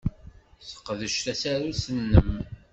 Sseqdec tasarut-nnem.